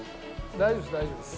大丈夫です大丈夫です。